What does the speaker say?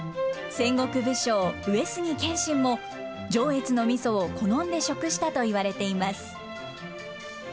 戦国武将、上杉謙信も、上越のみそを好んで食したといわれています。